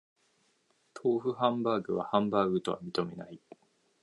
豆腐ハンバーグはハンバーグとは認めない